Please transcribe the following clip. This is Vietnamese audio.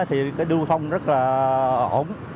thì cái lưu thông rất là ổn